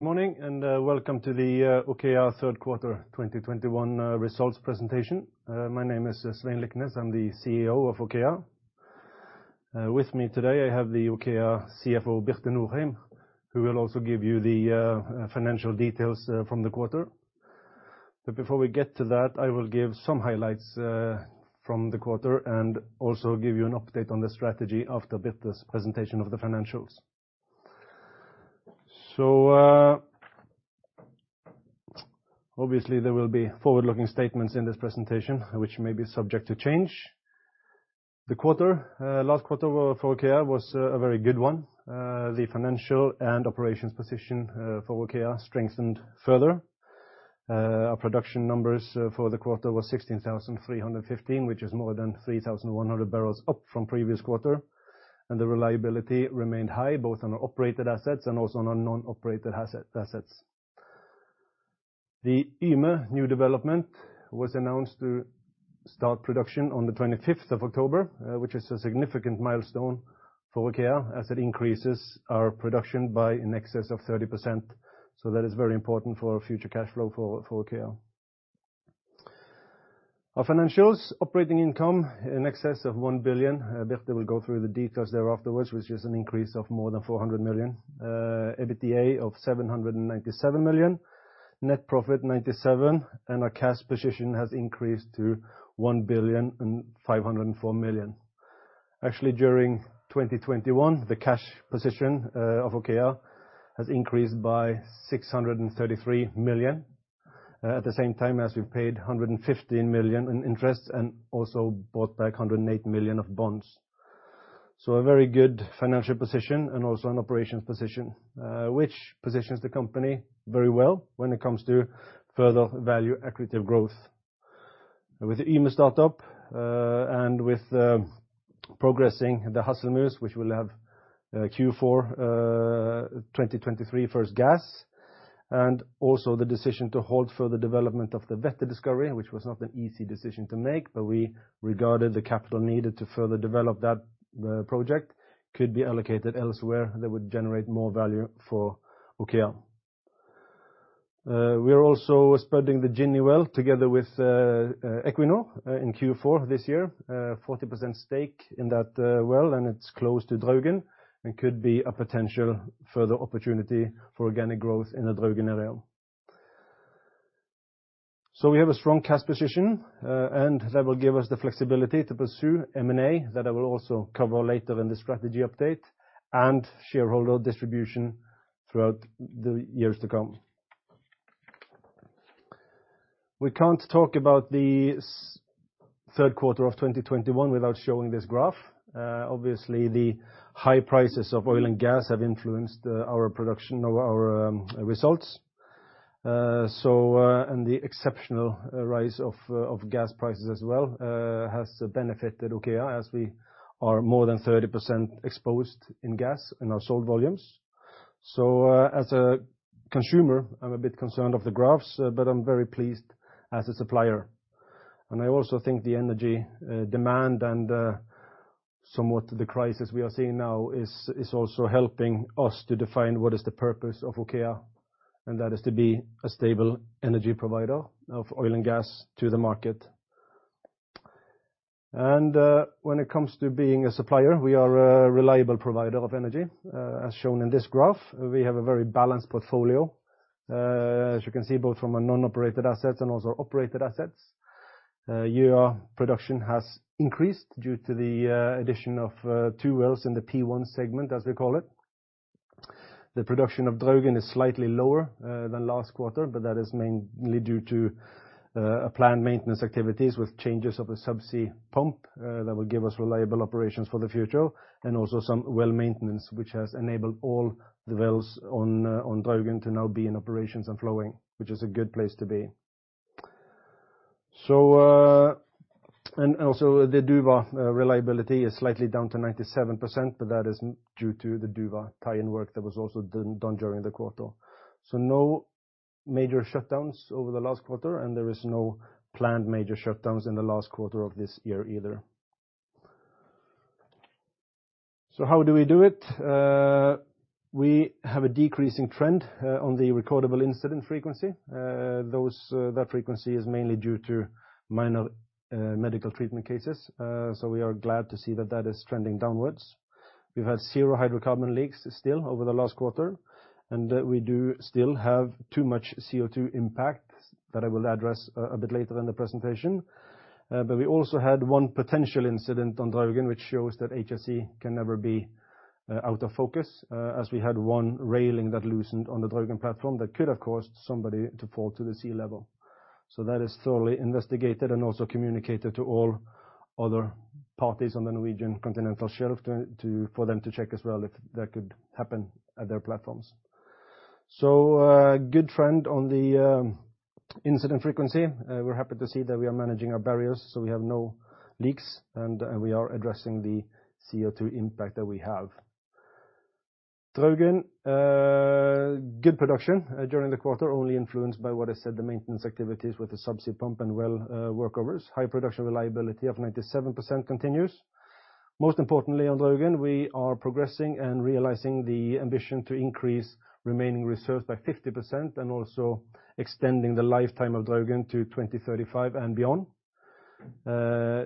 Good morning, and welcome to the OKEA third quarter 2021 results presentation. My name is Svein Liknes. I'm the CEO of OKEA. With me today, I have the OKEA CFO, Birte Norheim, who will also give you the financial details from the quarter. Before we get to that, I will give some highlights from the quarter and also give you an update on the strategy after Birte's presentation of the financials. Obviously there will be forward-looking statements in this presentation which may be subject to change. The quarter, last quarter for OKEA was a very good one. The financial and operations position for OKEA strengthened further. Our production numbers for the quarter was 16,315, which is more than 3,100 barrels up from previous quarter. The reliability remained high, both on our operated assets and also on our non-operated assets. The Yme new development was announced to start production on the 25th of October, which is a significant milestone for OKEA as it increases our production by in excess of 30%. That is very important for our future cash flow for OKEA. Our financials, operating income in excess of 1 billion, Birte will go through the details there afterwards, which is an increase of more than 400 million. EBITDA of 797 million, net profit 97 million, and our cash position has increased to 1,504 million. Actually, during 2021, the cash position of OKEA has increased by 633 million, at the same time as we've paid 115 million in interest and also bought back 108 million of bonds. A very good financial position and also an operations position, which positions the company very well when it comes to further value equity of growth. With the Yme startup, and with progressing the Hasselmus, which will have Q4 2023 first gas, and also the decision to halt further development of the Vette discovery, which was not an easy decision to make, but we regarded the capital needed to further develop that project could be allocated elsewhere that would generate more value for OKEA. We are also spudding the Ginny well together with Equinor in Q4 this year. 40% stake in that well, and it's close to Draugen and could be a potential further opportunity for organic growth in the Draugen area. We have a strong cash position, and that will give us the flexibility to pursue M&A, that I will also cover later in the strategy update, and shareholder distribution throughout the years to come. We can't talk about the third quarter of 2021 without showing this graph. Obviously, the high prices of oil and gas have influenced our production or our results. The exceptional rise of gas prices as well has benefited OKEA as we are more than 30% exposed in gas in our sold volumes. As a consumer, I'm a bit concerned of the graphs, but I'm very pleased as a supplier. I also think the energy demand and somewhat the crisis we are seeing now is also helping us to define what is the purpose of OKEA, and that is to be a stable energy provider of oil and gas to the market. When it comes to being a supplier, we are a reliable provider of energy. As shown in this graph, we have a very balanced portfolio, as you can see both from a non-operated assets and also operated assets. Year production has increased due to the addition of two wells in the P1 segment, as we call it. The production of Draugen is slightly lower than last quarter, but that is mainly due to a planned maintenance activities with changes of a subsea pump that will give us reliable operations for the future, and also some well maintenance, which has enabled all the wells on Draugen to now be in operations and flowing, which is a good place to be. The Duva reliability is slightly down to 97%, but that is due to the Duva tie-in work that was also done during the quarter. No major shutdowns over the last quarter, and there is no planned major shutdowns in the last quarter of this year either. How do we do it? We have a decreasing trend on the recordable incident frequency. That frequency is mainly due to minor medical treatment cases. We are glad to see that it is trending downwards. We've had zero hydrocarbon leaks still over the last quarter, and we do still have too much CO2 impact that I will address a bit later in the presentation. But we also had one potential incident on Draugen, which shows that HSE can never be out of focus, as we had one railing that loosened on the Draugen platform that could have caused somebody to fall to the sea level. That is thoroughly investigated and also communicated to all other parties on the Norwegian continental shelf to for them to check as well if that could happen at their platforms. Good trend on the incident frequency. We're happy to see that we are managing our barriers so we have no leaks, and we are addressing the CO2 impact that we have. Draugen good production during the quarter, only influenced by what I said, the maintenance activities with the subsea pump and well workovers. High production reliability of 97% continues. Most importantly, on Draugen, we are progressing and realizing the ambition to increase remaining reserves by 50% and also extending the lifetime of Draugen to 2035 and beyond.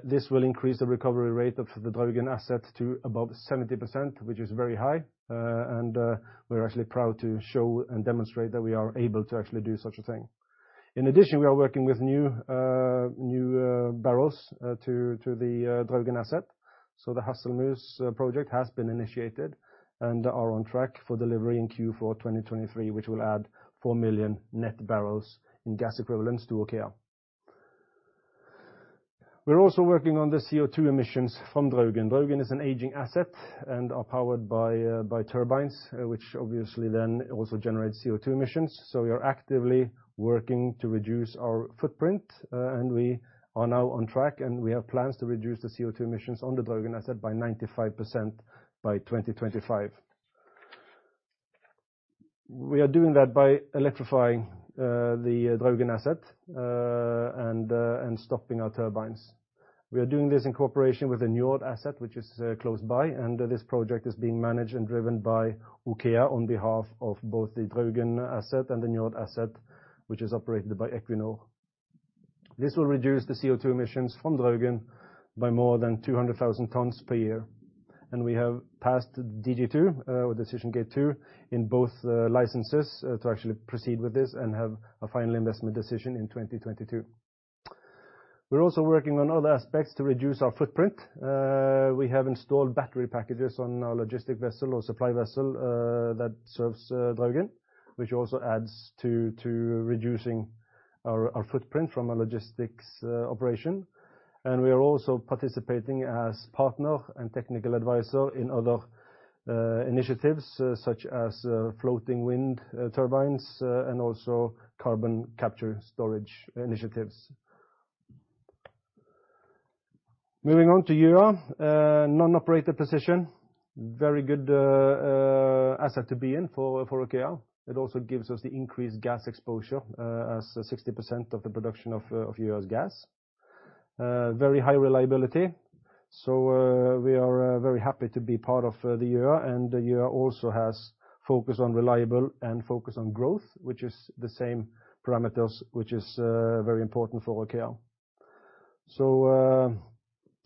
This will increase the recovery rate of the Draugen asset to above 70%, which is very high. We're actually proud to show and demonstrate that we are able to actually do such a thing. In addition, we are working with new barrels to the Draugen asset. The Hasselmus project has been initiated and are on track for delivery in Q4 2023, which will add 4 million net barrels in gas equivalents to OKEA. We're also working on the CO2 emissions from Draugen. Draugen is an aging asset and are powered by turbines, which obviously then also generates CO2 emissions. We are actively working to reduce our footprint, and we are now on track, and we have plans to reduce the CO2 emissions on the Draugen asset by 95% by 2025. We are doing that by electrifying the Draugen asset and stopping our turbines. We are doing this in cooperation with the Njord asset, which is close by, and this project is being managed and driven by OKEA on behalf of both the Draugen asset and the Njord asset, which is operated by Equinor. This will reduce the CO2 emissions from Draugen by more than 200,000 tons per year, and we have passed DG2, or Decision Gate Two, in both licenses to actually proceed with this and have a final investment decision in 2022. We're also working on other aspects to reduce our footprint. We have installed battery packages on our logistic vessel or supply vessel that serves Draugen, which also adds to reducing our footprint from a logistics operation. We are also participating as partner and technical advisor in other initiatives, such as floating wind turbines and also carbon capture storage initiatives. Moving on to Gjøa, non-operated position, very good asset to be in for OKEA. It also gives us the increased gas exposure, as 60% of the production of Gjøa's gas. Very high reliability, so we are very happy to be part of the Gjøa. Gjøa also has focus on reliable and focus on growth, which is the same parameters, which is very important for OKEA.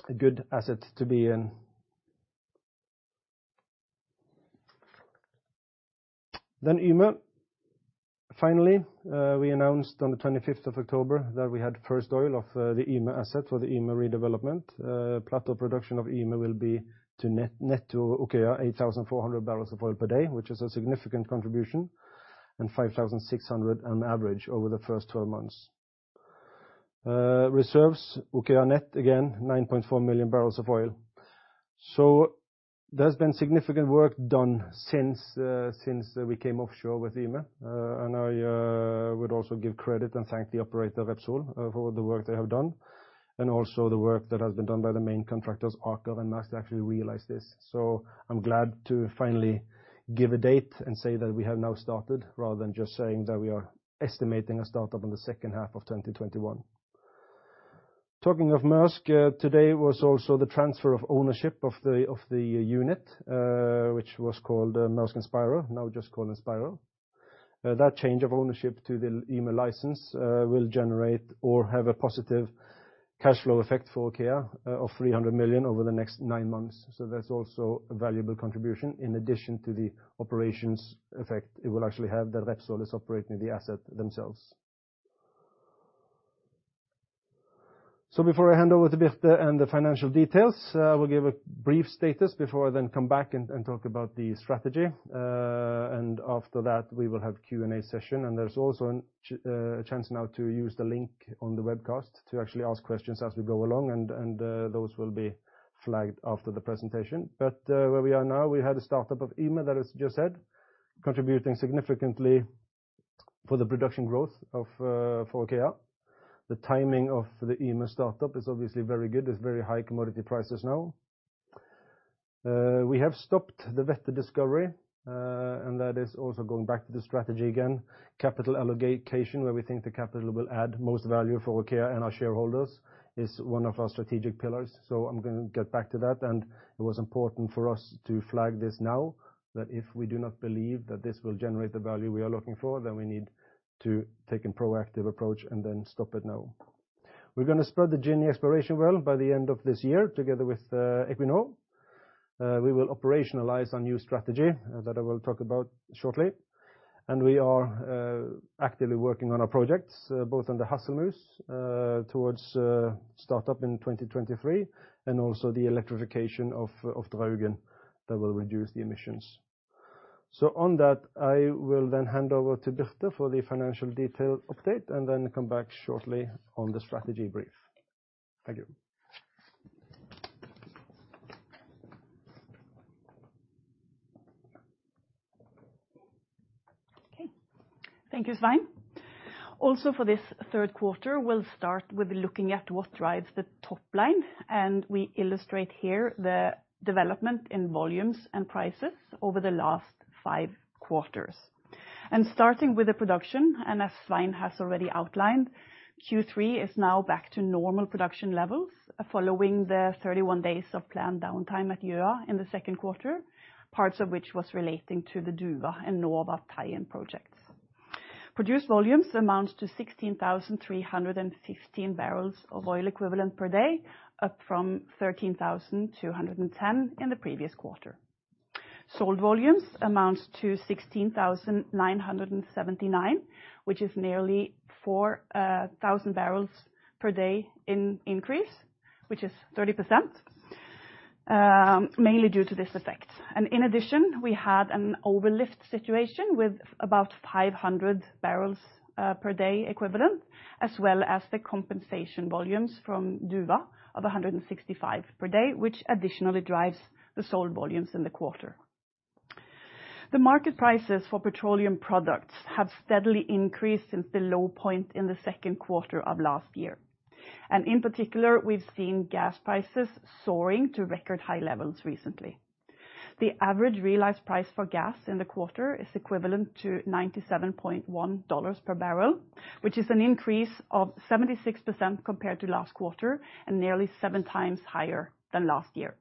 A good asset to be in. Yme. Finally, we announced on the 25th October that we had first oil of the Yme asset for the Yme redevelopment. Plateau production of Yme will be net to OKEA 8,400 barrels of oil per day, which is a significant contribution, and 5,600 on average over the first 12 months. Reserves, OKEA net again, 9.4 million barrels of oil. There's been significant work done since we came offshore with Yme. I would also give credit and thank the operator, Repsol, for the work they have done, and also the work that has been done by the main contractors, Aker and Maersk, to actually realize this. I'm glad to finally give a date and say that we have now started, rather than just saying that we are estimating a startup in the second half of 2021. Talking of Maersk, today was also the transfer of ownership of the unit, which was called Maersk Inspirer, now just called Inspirer. That change of ownership to the Yme license will generate or have a positive cash flow effect for OKEA of 300 million over the next nine months. That's also a valuable contribution in addition to the operations effect it will actually have that Repsol is operating the asset themselves. Before I hand over to Birte and the financial details, I will give a brief status before I then come back and talk about the strategy. After that, we will have Q&A session, and there's also a chance now to use the link on the webcast to actually ask questions as we go along, and those will be flagged after the presentation. Where we are now, we had a startup of Yme, that I just said, contributing significantly for the production growth of, for OKEA. The timing of the Yme startup is obviously very good. There's very high commodity prices now. We have stopped the Vette discovery, and that is also going back to the strategy again. Capital allocation, where we think the capital will add most value for OKEA and our shareholders, is one of our strategic pillars. I'm gonna get back to that. It was important for us to flag this now, that if we do not believe that this will generate the value we are looking for, then we need to take a proactive approach and then stop it now. We're gonna spud the Ginny exploration well by the end of this year together with Equinor. We will operationalize our new strategy that I will talk about shortly. We are actively working on our projects, both on the Hasselmus towards startup in 2023, and also the electrification of Draugen that will reduce the emissions. On that, I will then hand over to Birte for the financial detail update and then come back shortly on the strategy brief. Thank you. Okay. Thank you, Svein. Also for this third quarter, we'll start with looking at what drives the top line, and we illustrate here the development in volumes and prices over the last five quarters. Starting with the production, as Svein has already outlined, Q3 is now back to normal production levels following the 31 days of planned downtime at Gjøa in the second quarter, parts of which was relating to the Duva and Nova tie-in projects. Produced volumes amounts to 16,315 barrels of oil equivalent per day, up from 13,210 in the previous quarter. Sold volumes amounts to 16,979, which is nearly 4,000 barrels per day in increase, which is 30%, mainly due to this effect. In addition, we had an over-lift situation with about 500 barrels per day equivalent, as well as the compensation volumes from Duva of 165 barrels per day, which additionally drives the sold volumes in the quarter. The market prices for petroleum products have steadily increased since the low point in the second quarter of last year. In particular, we've seen gas prices soaring to record high levels recently. The average realized price for gas in the quarter is equivalent to $97.1 per barrel, which is an increase of 76% compared to last quarter and nearly 7x higher than last year.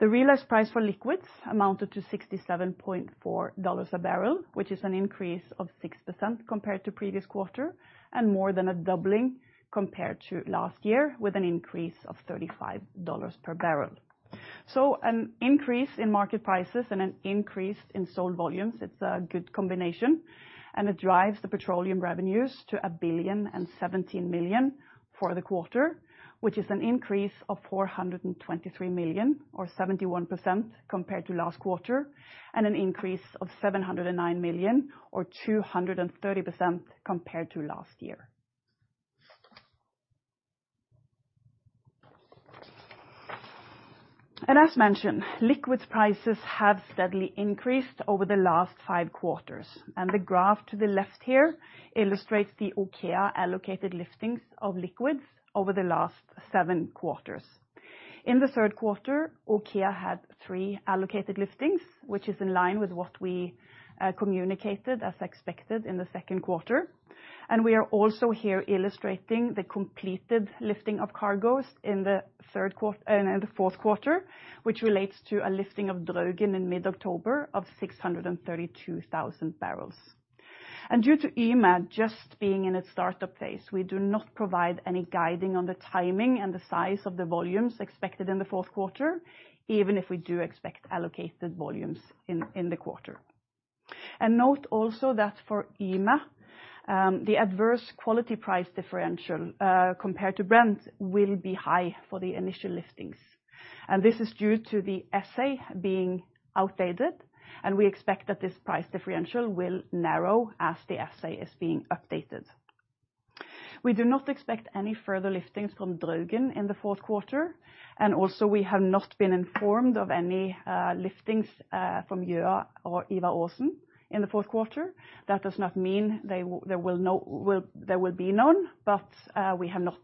The realized price for liquids amounted to $67.4 a barrel, which is an increase of 6% compared to previous quarter, and more than a doubling compared to last year with an increase of $35 per barrel. An increase in market prices and an increase in sold volumes, it's a good combination, and it drives the petroleum revenues to 1,017 million for the quarter, which is an increase of 423 million or 71% compared to last quarter, and an increase of 709 million or 230% compared to last year. As mentioned, liquids prices have steadily increased over the last five quarters, and the graph to the left here illustrates the OKEA allocated liftings of liquids over the last seven quarters. In the third quarter, OKEA had three allocated liftings, which is in line with what we communicated as expected in the second quarter. We are also here illustrating the completed lifting of cargoes in the fourth quarter, which relates to a lifting of Draugen in mid-October of 632,000 barrels. Due to Yme just being in its startup phase, we do not provide any guiding on the timing and the size of the volumes expected in the fourth quarter, even if we do expect allocated volumes in the quarter. Note also that for Yme, the adverse quality price differential compared to Brent will be high for the initial liftings. This is due to the assay being outdated, and we expect that this price differential will narrow as the assay is being updated. We do not expect any further liftings from Draugen in the fourth quarter, and also we have not been informed of any liftings from Gjøa or Ivar Aasen in the fourth quarter. That does not mean there will be none, but we have not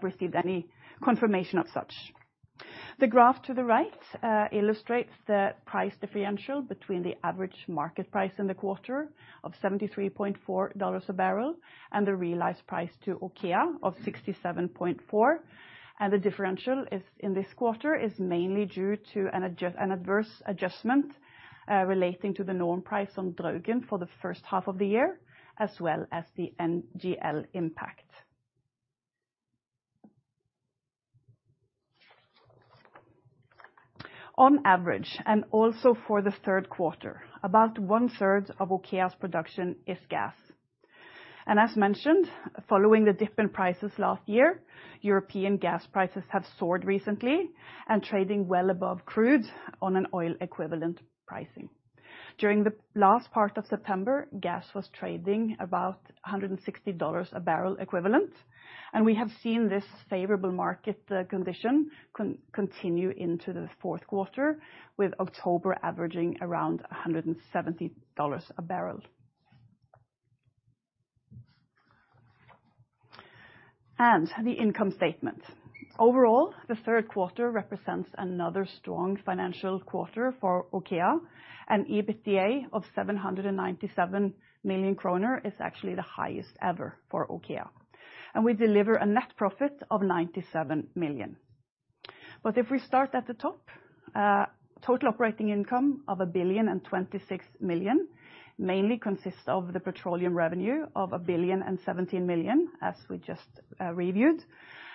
received any confirmation of such. The graph to the right illustrates the price differential between the average market price in the quarter of $73.4 a barrel and the realized price to OKEA of $67.4. The differential is, in this quarter, mainly due to an adverse adjustment relating to the norm price on Draugen for the first half of the year, as well as the NGL impact. On average, and also for the third quarter, about 1/3 of OKEA's production is gas. As mentioned, following the dip in prices last year, European gas prices have soared recently and trading well above crude on an oil equivalent pricing. During the last part of September, gas was trading about $160 a barrel equivalent, and we have seen this favorable market condition continue into the fourth quarter with October averaging around $170 a barrel. The income statement overall, the third quarter represents another strong financial quarter for OKEA, and EBITDA of 797 million kroner is actually the highest ever for OKEA. We deliver a net profit of 97 million. If we start at the top, total operating income of 1,026 million mainly consists of the petroleum revenue of 1,017 million, as we just reviewed,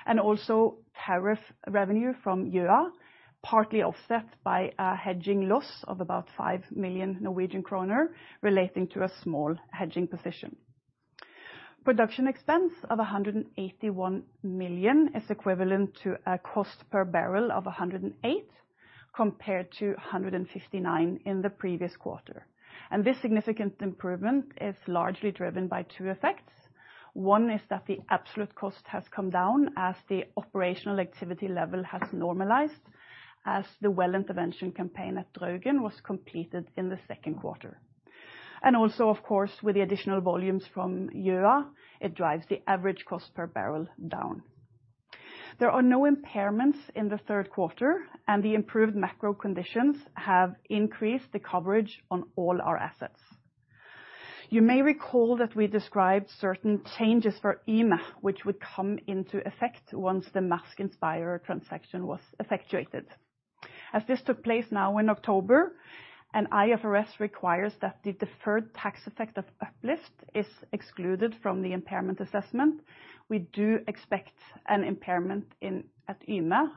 and also tariff revenue from Gjøa, partly offset by a hedging loss of about 5 million Norwegian kroner relating to a small hedging position. Production expense of 181 million is equivalent to a cost per barrel of 108 compared to 159 in the previous quarter. This significant improvement is largely driven by two effects. One is that the absolute cost has come down as the operational activity level has normalized as the well intervention campaign at Draugen was completed in the second quarter. Also, of course, with the additional volumes from Gjøa, it drives the average cost per barrel down. There are no impairments in the third quarter, and the improved macro conditions have increased the coverage on all our assets. You may recall that we described certain changes for Yme, which would come into effect once the Maersk Inspirer transaction was effectuated. As this took place now in October, and IFRS requires that the deferred tax effect of uplift is excluded from the impairment assessment, we do expect an impairment in, at Yme,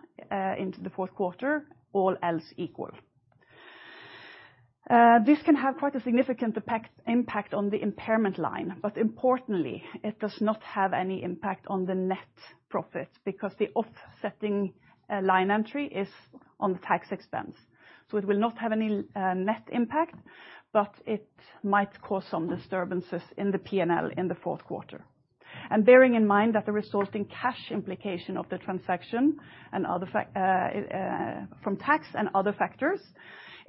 into the fourth quarter, all else equal. This can have quite a significant impact on the impairment line, but importantly, it does not have any impact on the net profit because the offsetting line entry is on the tax expense. It will not have any net impact, but it might cause some disturbances in the P&L in the fourth quarter. Bearing in mind that the resulting cash implication of the transaction and other factors from tax and other factors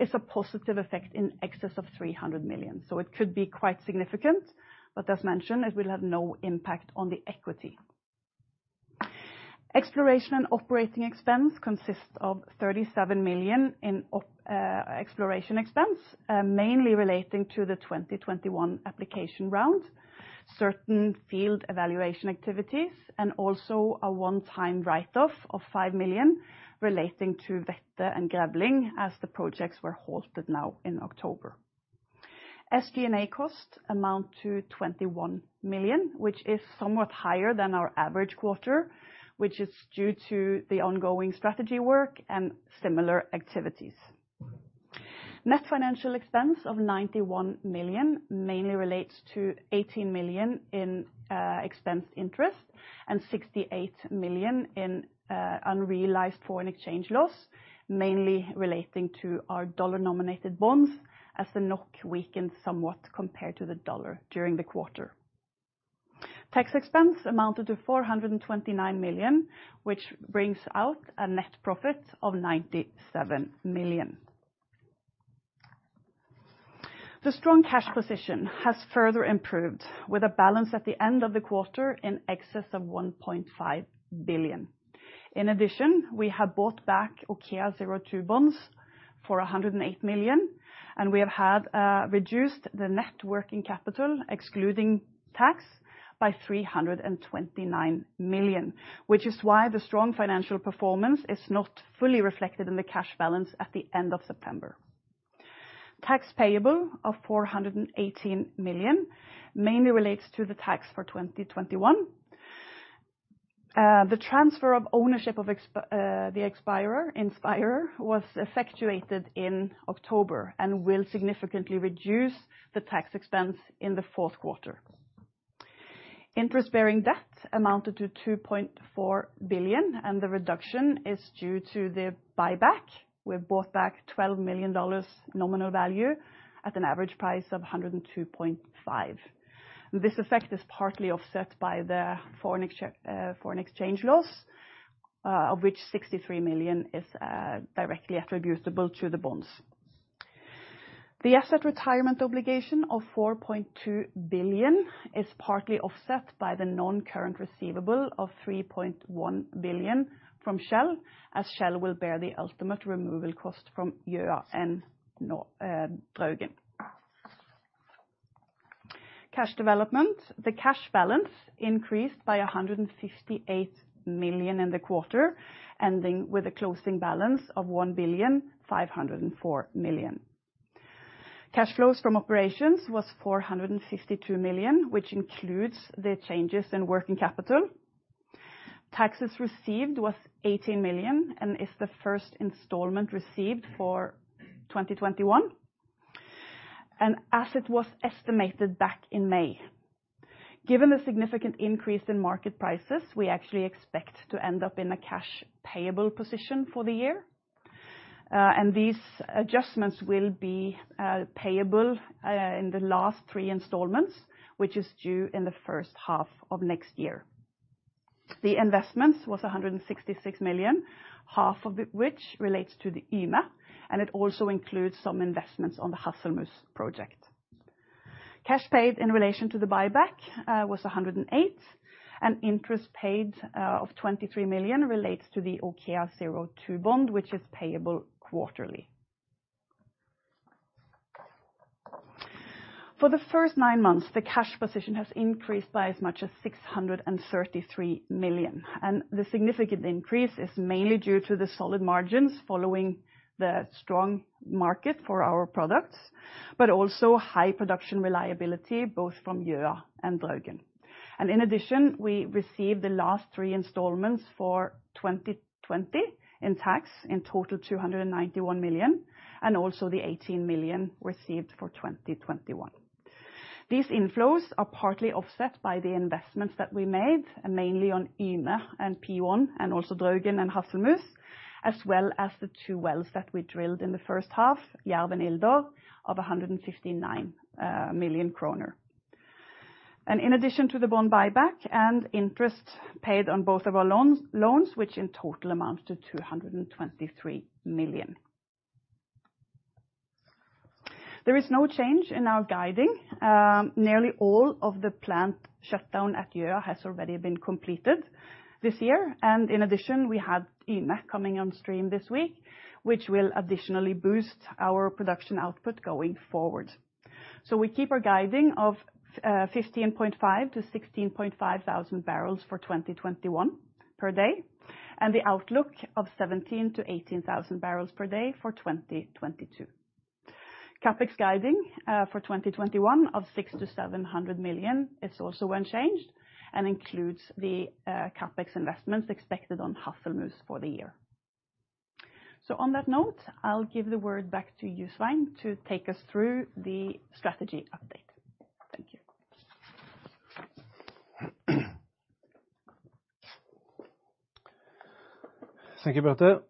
is a positive effect in excess of 300 million. It could be quite significant, but as mentioned, it will have no impact on the equity. Exploration and operating expense consists of 37 million in exploration expense, mainly relating to the 2021 application round, certain field evaluation activities, and also a one-time write-off of 5 million relating to Vette and Grevling as the projects were halted now in October. SG&A costs amount to 21 million, which is somewhat higher than our average quarter, which is due to the ongoing strategy work and similar activities. Net financial expense of 91 million mainly relates to 18 million in interest expense and 68 million in unrealized foreign exchange loss, mainly relating to our dollar-nominated bonds as the NOK weakened somewhat compared to the dollar during the quarter. Tax expense amounted to 429 million, which brings out a net profit of 97 million. The strong cash position has further improved with a balance at the end of the quarter in excess of 1.5 billion. In addition, we have bought back OKEA02 bonds for 108 million, and we have reduced the net working capital, excluding tax, by 329 million, which is why the strong financial performance is not fully reflected in the cash balance at the end of September. Tax payable of 418 million mainly relates to the tax for 2021. The transfer of ownership of the Inspirer was effectuated in October and will significantly reduce the tax expense in the fourth quarter. Interest-bearing debt amounted to 2.4 billion, and the reduction is due to the buyback. We bought back $12 million nominal value at an average price of 102.5%. This effect is partly offset by the foreign exchange loss, of which 63 million is directly attributable to the bonds. The asset retirement obligation of 4.2 billion is partly offset by the non-current receivable of 3.1 billion from Shell, as Shell will bear the ultimate removal cost from Draugen. Cash development. The cash balance increased by 158 million in the quarter, ending with a closing balance of 1,504 million. Cash flows from operations was 462 million, which includes the changes in working capital. Taxes received was 18 million and is the first installment received for 2021. As it was estimated back in May, given the significant increase in market prices, we actually expect to end up in a cash payable position for the year. These adjustments will be payable in the last three installments, which is due in the first half of next year. The investments was 166 million, half of it which relates to the Yme, and it also includes some investments on the Hasselmus project. Cash paid in relation to the buyback was 108 million, and interest paid of 23 million relates to the OKEA02 bond, which is payable quarterly. For the first nine months, the cash position has increased by as much as 633 million, and the significant increase is mainly due to the solid margins following the strong market for our products, but also high production reliability both from Yme and Draugen. In addition, we received the last three installments for 2020 in tax, in total 291 million, and also the 18 million received for 2021. These inflows are partly offset by the investments that we made, mainly on Yme and P1 and also Draugen and Hasselmus, as well as the two wells that we drilled in the first half, Gjølberg and Eldfjord, of 159 million kroner. In addition to the bond buyback and interest paid on both of our loans, which in total amounts to 223 million. There is no change in our guidance. Nearly all of the plant shutdown at Yme has already been completed this year, and in addition, we have Yme coming on stream this week, which will additionally boost our production output going forward. We keep our guidance of 15,500 barrels-16,500 barrels for 2021 per day, and the outlook of 17,000 barrels-18,000 barrels per day for 2022. CapEx guidance for 2021 of 600 million-700 million is also unchanged and includes the CapEx investments expected on Hasselmus for the year. On that note, I'll give the word back to Svein Liknes to take us through the strategy update. Thank you. Thank you, Birte.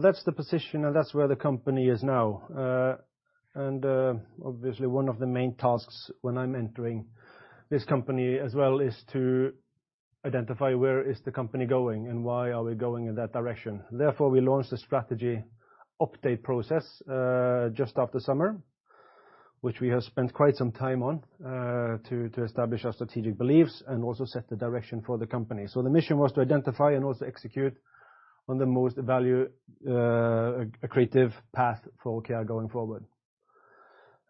That's the position and that's where the company is now. Obviously one of the main tasks when I'm entering this company as well is to identify where is the company going and why are we going in that direction. Therefore, we launched the strategy update process just after summer, which we have spent quite some time on, to establish our strategic beliefs and also set the direction for the company. The mission was to identify and also execute on the most value accretive path for OKEA going forward.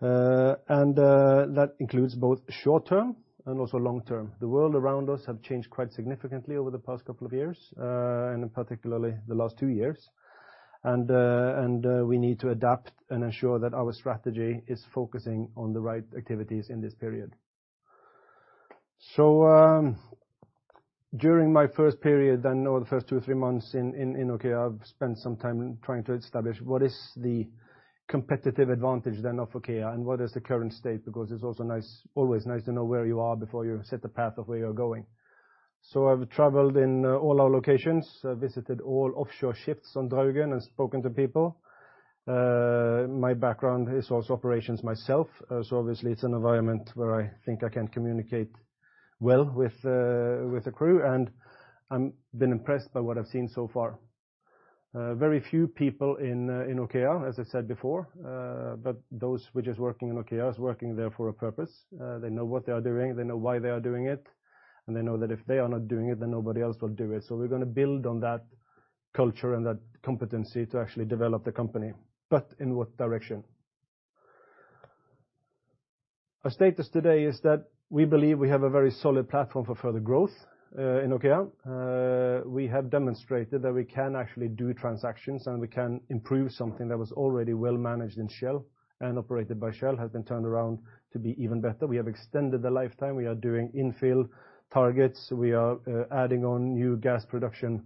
That includes both short term and also long term. The world around us have changed quite significantly over the past couple of years and particularly the last two years. We need to adapt and ensure that our strategy is focusing on the right activities in this period. During my first period, I know the first two, three months in OKEA, I've spent some time trying to establish what is the competitive advantage then of OKEA and what is the current state, because it's also nice, always nice to know where you are before you set the path of where you're going. I've traveled in all our locations, visited all offshore shifts on Draugen and spoken to people. My background is also operations myself, so obviously it's an environment where I think I can communicate well with the crew, and I'm been impressed by what I've seen so far. Very few people in OKEA, as I said before, but those which is working in OKEA is working there for a purpose. They know what they are doing, they know why they are doing it, and they know that if they are not doing it, then nobody else will do it. We're gonna build on that culture and that competency to actually develop the company. In what direction? Our status today is that we believe we have a very solid platform for further growth in OKEA. We have demonstrated that we can actually do transactions and we can improve something that was already well managed in Shell and operated by Shell, has been turned around to be even better. We have extended the lifetime. We are doing infill targets. We are adding on new gas production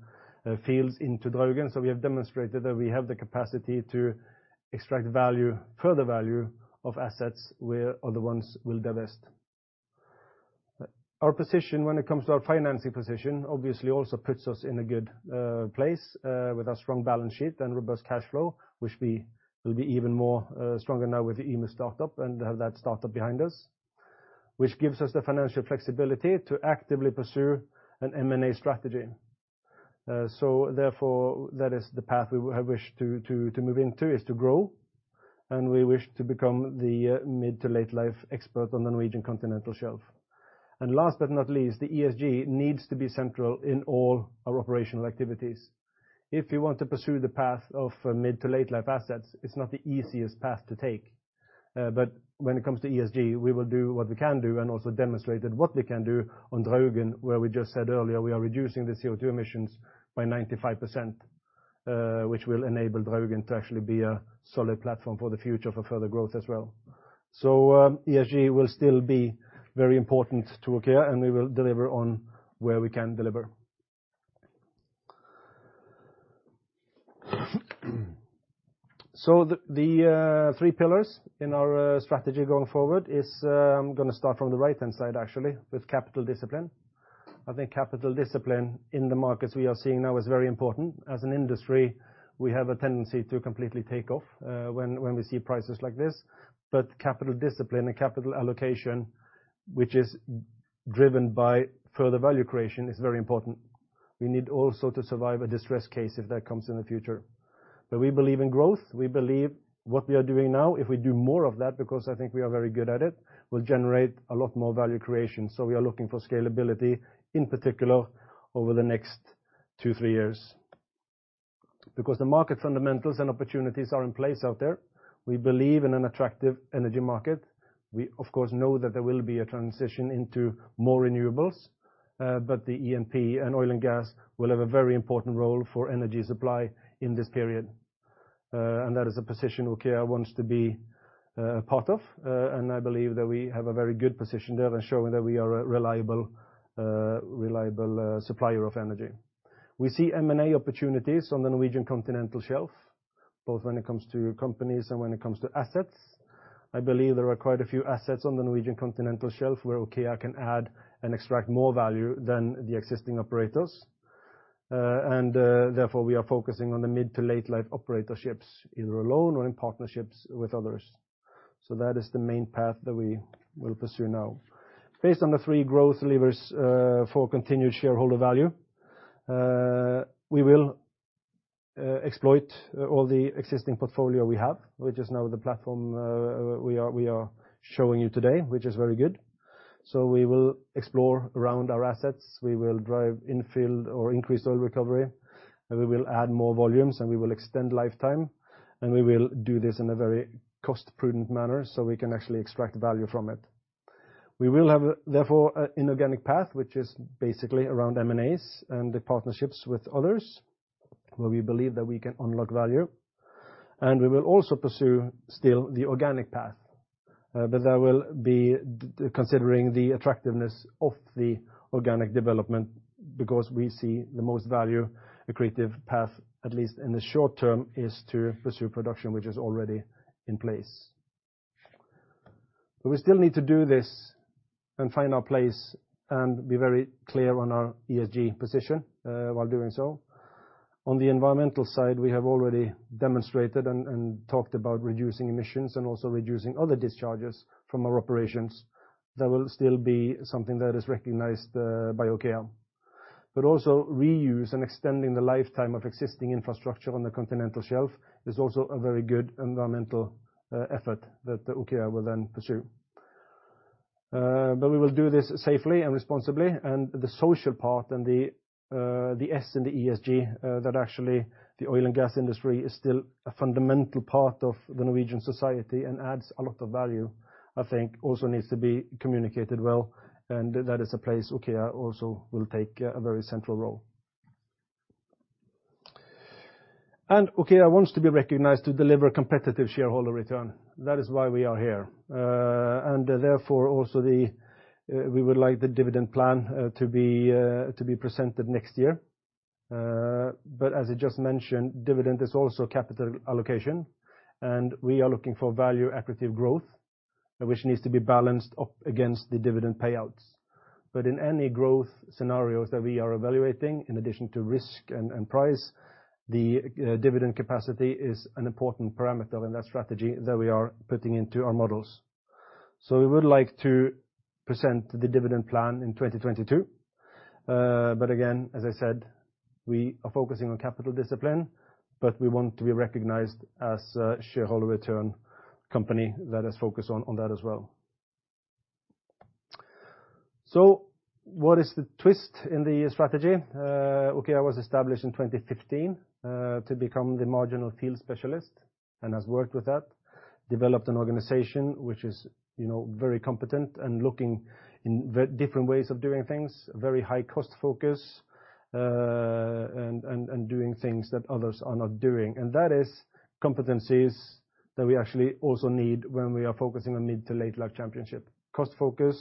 fields into Draugen. We have demonstrated that we have the capacity to extract value, further value of assets where other ones will divest. Our position when it comes to our financing position obviously also puts us in a good place with a strong balance sheet and robust cash flow, which we will be even more stronger now with the Yme startup and have that startup behind us, which gives us the financial flexibility to actively pursue an M&A strategy. Therefore, that is the path we have wished to move into, is to grow, and we wish to become the mid- to late-life expert on the Norwegian continental shelf. Last but not least, the ESG needs to be central in all our operational activities. If you want to pursue the path of mid- to late-life assets, it's not the easiest path to take. When it comes to ESG, we will do what we can do and also demonstrate that what we can do on Draugen, where we just said earlier, we are reducing the CO2 emissions by 95%, which will enable Draugen to actually be a solid platform for the future for further growth as well. ESG will still be very important to OKEA, and we will deliver on where we can deliver. The three pillars in our strategy going forward is, I'm gonna start from the right-hand side, actually, with capital discipline. I think capital discipline in the markets we are seeing now is very important. As an industry, we have a tendency to completely take off when we see prices like this. Capital discipline and capital allocation, which is driven by further value creation, is very important. We need also to survive a distressed case if that comes in the future. We believe in growth. We believe what we are doing now, if we do more of that, because I think we are very good at it, will generate a lot more value creation. We are looking for scalability, in particular over the next two, three years. Because the market fundamentals and opportunities are in place out there, we believe in an attractive energy market. We of course know that there will be a transition into more renewables, but the E&P and oil and gas will have a very important role for energy supply in this period. That is a position OKEA wants to be part of, and I believe that we have a very good position there that shows we are a reliable supplier of energy. We see M&A opportunities on the Norwegian continental shelf, both when it comes to companies and when it comes to assets. I believe there are quite a few assets on the Norwegian continental shelf where OKEA can add and extract more value than the existing operators. Therefore, we are focusing on the mid- to late-life operatorships, either alone or in partnerships with others. That is the main path that we will pursue now. Based on the three growth levers for continued shareholder value, we will exploit all the existing portfolio we have, which is now the platform we are showing you today, which is very good. We will explore around our assets. We will drive infill or increase oil recovery, and we will add more volumes, and we will extend lifetime, and we will do this in a very cost-prudent manner, so we can actually extract value from it. We will have, therefore, an inorganic path, which is basically around M&As and the partnerships with others where we believe that we can unlock value. We will also pursue still the organic path. I will be considering the attractiveness of the organic development because we see the most value accretive path, at least in the short term, is to pursue production which is already in place. We still need to do this and find our place and be very clear on our ESG position while doing so. On the environmental side, we have already demonstrated and talked about reducing emissions and also reducing other discharges from our operations. That will still be something that is recognized by OKEA. Reuse and extending the lifetime of existing infrastructure on the continental shelf is also a very good environmental effort that OKEA will then pursue. We will do this safely and responsibly. The social part and the S in the ESG, that actually the oil and gas industry is still a fundamental part of the Norwegian society and adds a lot of value, I think also needs to be communicated well, and that is a place OKEA also will take a very central role. OKEA wants to be recognized to deliver competitive shareholder return. That is why we are here. We would like the dividend plan to be presented next year. As I just mentioned, dividend is also capital allocation, and we are looking for value-accretive growth, which needs to be balanced up against the dividend payouts. In any growth scenarios that we are evaluating, in addition to risk and price, the dividend capacity is an important parameter in that strategy that we are putting into our models. We would like to present the dividend plan in 2022. Again, as I said, we are focusing on capital discipline, but we want to be recognized as a shareholder return company that is focused on that as well. What is the twist in the strategy? OKEA was established in 2015 to become the marginal field specialist and has worked with that, developed an organization which is, you know, very competent and looking in very different ways of doing things, very high cost focus, and doing things that others are not doing. That is competencies that we actually also need when we are focusing on mid-to-late-life championing. Cost focus,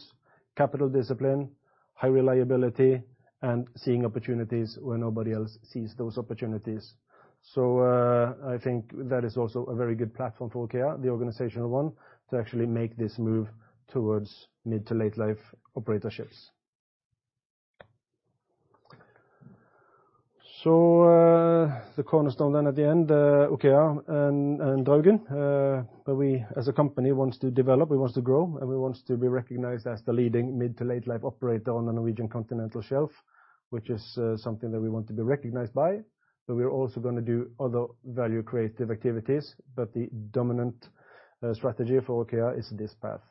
capital discipline, high reliability, and seeing opportunities where nobody else sees those opportunities. I think that is also a very good platform for OKEA, the organizational one, to actually make this move towards mid-to-late-life operatorship. The cornerstone then at the end, OKEA and Draugen, where we as a company wants to develop, we want to grow, and we want to be recognized as the leading mid-to-late-life operator on the Norwegian continental shelf, which is something that we want to be recognized by. We're also gonna do other value-creating activities. The dominant strategy for OKEA is this path.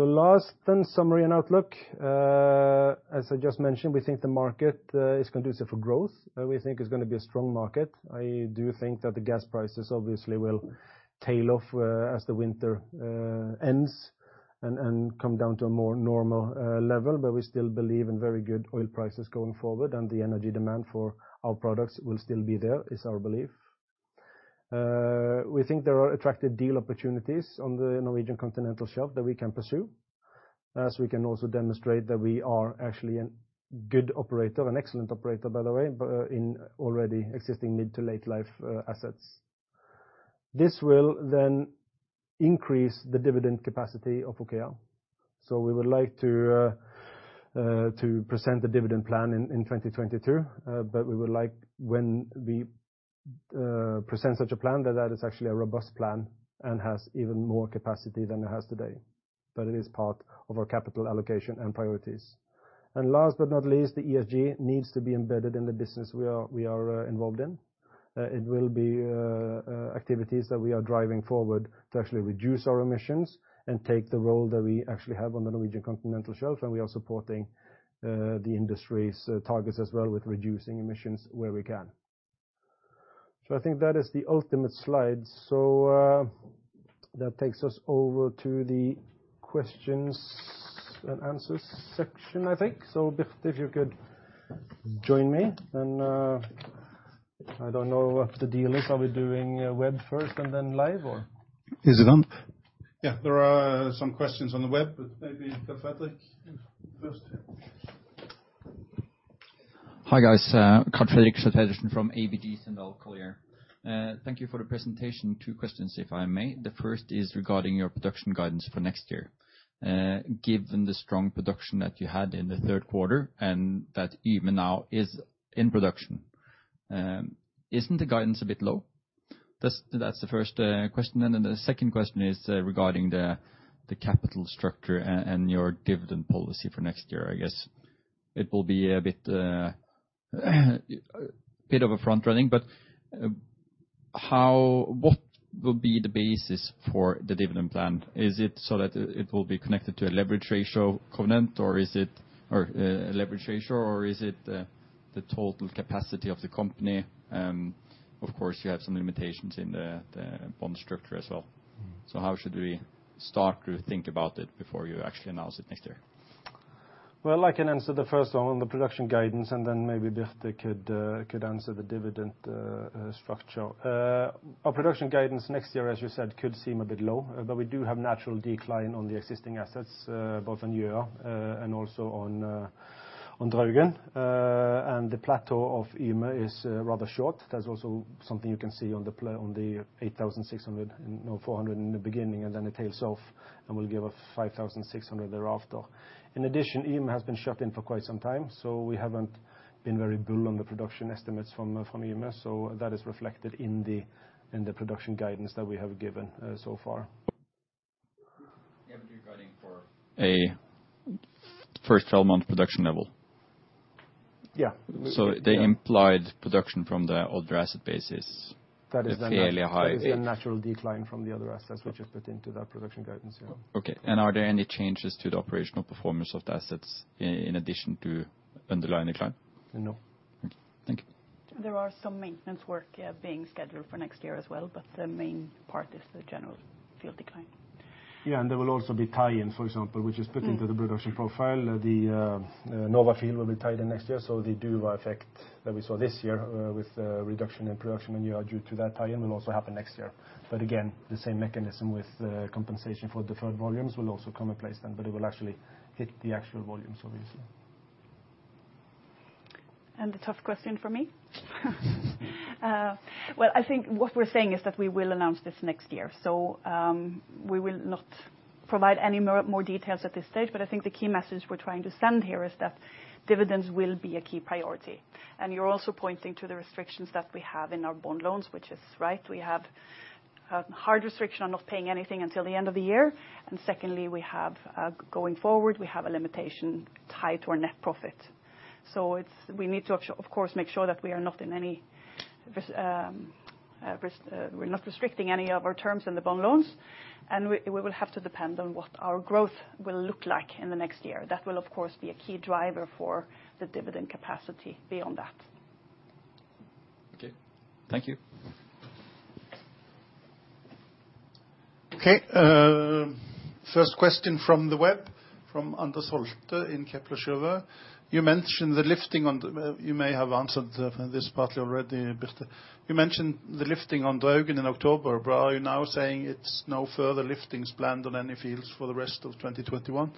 Last, then summary and outlook. As I just mentioned, we think the market is conducive for growth, and we think it's gonna be a strong market. I do think that the gas prices obviously will tail off as the winter ends and come down to a more normal level. We still believe in very good oil prices going forward, and the energy demand for our products will still be there, is our belief. We think there are attractive deal opportunities on the Norwegian continental shelf that we can pursue, as we can also demonstrate that we are actually a good operator, an excellent operator, by the way, but in already existing mid-to-late-life assets. This will then increase the dividend capacity of OKEA. We would like to present the dividend plan in 2022. We would like when we present such a plan that is actually a robust plan and has even more capacity than it has today. It is part of our capital allocation and priorities. Last but not least, the ESG needs to be embedded in the business we are involved in. It will be activities that we are driving forward to actually reduce our emissions and take the role that we actually have on the Norwegian continental shelf, and we are supporting the industry's targets as well with reducing emissions where we can. I think that is the ultimate slide. That takes us over to the questions and answers section, I think. Birte, if you could join me. I don't know what the deal is. Are we doing web first and then live or? Is it on? Yeah, there are some questions on the web, but maybe Karl Fredrik first. Hi, guys. Karl Fredrik Schjøtt-Pedersen from ABG Sundal Collier. Thank you for the presentation. Two questions, if I may. The first is regarding your production guidance for next year. Given the strong production that you had in the third quarter and that even now is in production, isn't the guidance a bit low? That's the first question. Then the second question is regarding the capital structure and your dividend policy for next year. I guess it will be a bit of a front-running, but, how... What will be the basis for the dividend plan? Is it so that it will be connected to a leverage ratio covenant, or is it a leverage ratio, or is it the total capacity of the company? And of course, you have some limitations in the bond structure as well. How should we start to think about it before you actually announce it next year? Well, I can answer the first one on the production guidance, and then maybe Birte could answer the dividend structure. Our production guidance next year, as you said, could seem a bit low, but we do have natural decline on the existing assets, both on Yme and also on Draugen. And the plateau of Yme is rather short. That's also something you can see on the 8,600, no 400 in the beginning, and then it tails off and will give us 5,600 thereafter. In addition, Yme has been shut in for quite some time, so we haven't been very bull on the production estimates from Yme. So that is reflected in the production guidance that we have given so far. Yeah, you're guiding for a first 12-month production level. Yeah. The implied production from the older asset base is fairly high. That is a natural decline from the other assets which is put into that production guidance, yeah. Okay. Are there any changes to the operational performance of the assets in addition to underlying decline? No. Thank you. There are some maintenance work, yeah, being scheduled for next year as well, but the main part is the general field decline. There will also be tie-in, for example, which is put into the production profile. The Nova field will be tied in next year. The Duva effect that we saw this year with reduction in production when you are due to that tie-in will also happen next year. Again, the same mechanism with compensation for deferred volumes will also come in place then, but it will actually hit the actual volumes, obviously. The tough question for me. Well, I think what we're saying is that we will announce this next year. We will not provide any more details at this stage. I think the key message we're trying to send here is that dividends will be a key priority. You're also pointing to the restrictions that we have in our bond loans, which is right. We have a hard restriction on not paying anything until the end of the year. Secondly, we have, going forward, we have a limitation tied to our net profit. We need to, of course, make sure that we're not restricting any of our terms in the bond loans. We will have to depend on what our growth will look like in the next year. That will, of course, be a key driver for the dividend capacity beyond that. Okay. Thank you. Okay. First question from the web from Anders Holte in Kepler Cheuvreux. You mentioned the lifting on the. You may have answered this partly already, Birte. You mentioned the lifting on Draugen in October, but are you now saying it's no further liftings planned on any fields for the rest of 2021?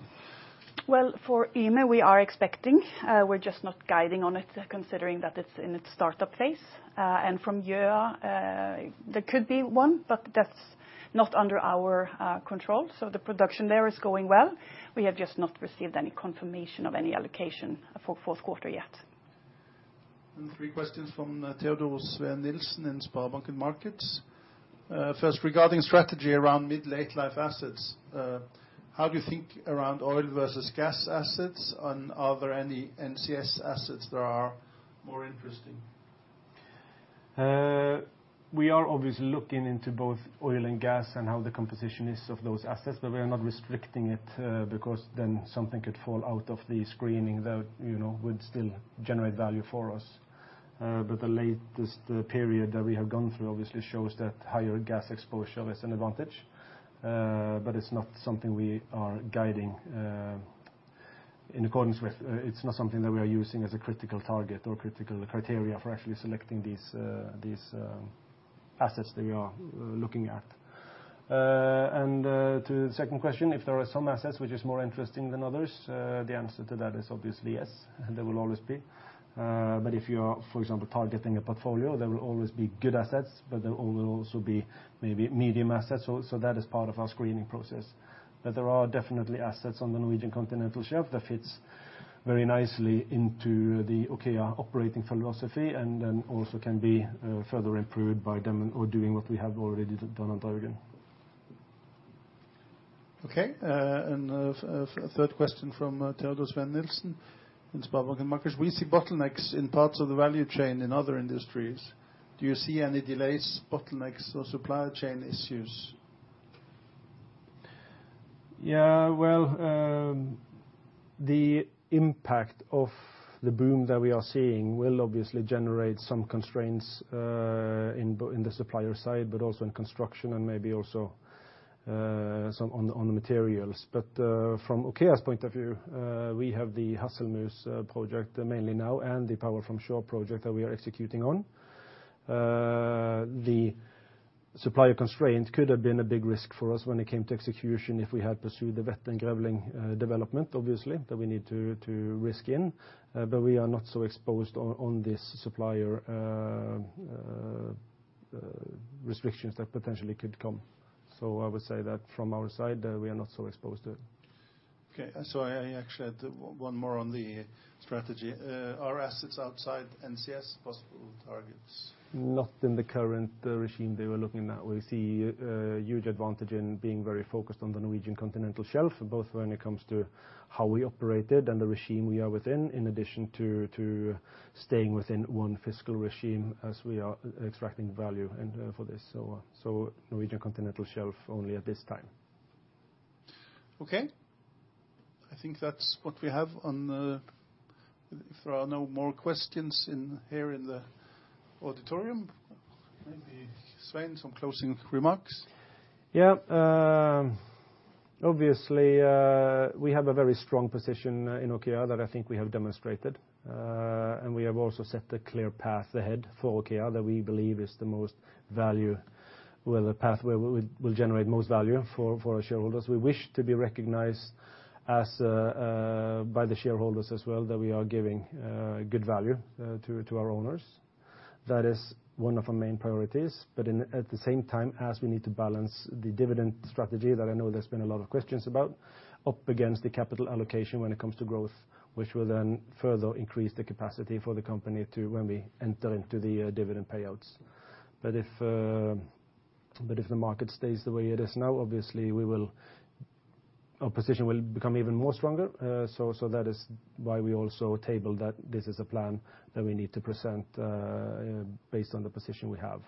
Well, for Yme, we are expecting. We're just not guiding on it, considering that it's in its startup phase. From Yme, there could be one, but that's not under our control. The production there is going well. We have just not received any confirmation of any allocation for fourth quarter yet. Three questions from Teodor Sveen-Nilsen in SpareBank 1 Markets. First, regarding strategy around mid-late life assets, how do you think about oil versus gas assets, and are there any NCS assets that are more interesting? We are obviously looking into both oil and gas and how the composition is of those assets, but we are not restricting it, because then something could fall out of the screening that, you know, would still generate value for us. The latest period that we have gone through obviously shows that higher gas exposure is an advantage, but it's not something we are guiding in accordance with. It's not something that we are using as a critical target or critical criteria for actually selecting these assets that we are looking at. To the second question, if there are some assets which is more interesting than others, the answer to that is obviously yes, there will always be. If you are, for example, targeting a portfolio, there will always be good assets, but there will also be maybe medium assets. That is part of our screening process. There are definitely assets on the Norwegian continental shelf that fits very nicely into the OKEA operating philosophy and then also can be further improved by them or doing what we have already done on Draugen. Okay. Third question from Teodor Sveen-Nilsen in SpareBank 1 Markets. We see bottlenecks in parts of the value chain in other industries. Do you see any delays, bottlenecks, or supply chain issues? Yeah, well, the impact of the boom that we are seeing will obviously generate some constraints in the supplier side, but also in construction and maybe also some on the materials. From OKEA's point of view, we have the Hasselmus project mainly now and the Power from Shore project that we are executing on. The supplier constraints could have been a big risk for us when it came to execution if we had pursued the Vette and Grevling development, obviously, that we need to risk in. We are not so exposed on this supplier restrictions that potentially could come. I would say that from our side, we are not so exposed to it. Okay. I actually had one more on the strategy. Are assets outside NCS possible targets? Not in the current regime that we're looking. Now we see a huge advantage in being very focused on the Norwegian continental shelf, both when it comes to how we operate it and the regime we are within, in addition to staying within one fiscal regime as we are extracting value and for this. Norwegian continental shelf only at this time. Okay. I think that's what we have. If there are no more questions in here in the auditorium, maybe, Svein, some closing remarks. Yeah. Obviously, we have a very strong position in OKEA that I think we have demonstrated. We have also set the clear path ahead for OKEA that we believe is the pathway where we'll generate most value for our shareholders. We wish to be recognized by the shareholders as well that we are giving good value to our owners. That is one of our main priorities. At the same time, as we need to balance the dividend strategy that I know there's been a lot of questions about, up against the capital allocation when it comes to growth, which will then further increase the capacity for the company to when we enter into the dividend payouts. If the market stays the way it is now, obviously we will. Our position will become even more stronger. That is why we also table that this is a plan that we need to present, based on the position we have.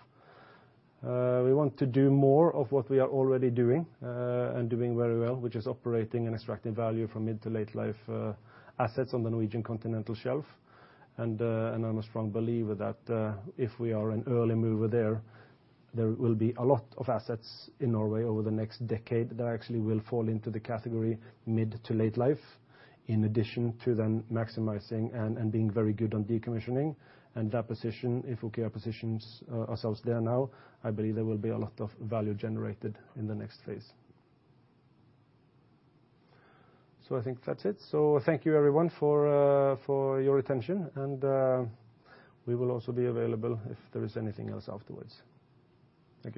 We want to do more of what we are already doing and doing very well, which is operating and extracting value from mid to late life assets on the Norwegian continental shelf. I'm a strong believer that if we are an early mover there will be a lot of assets in Norway over the next decade that actually will fall into the category mid to late life, in addition to then maximizing and being very good on decommissioning. That position, if OKEA positions ourselves there now, I believe there will be a lot of value generated in the next phase. I think that's it. Thank you, everyone, for your attention. We will also be available if there is anything else afterwards.